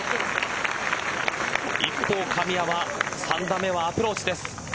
一方、神谷は３打目はアプローチです。